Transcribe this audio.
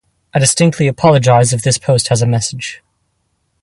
I distinctly apologize if this post has a message.